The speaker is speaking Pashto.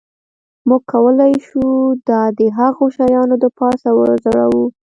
موږ کولی شو دا د هغو شیانو د پاسه وځړوو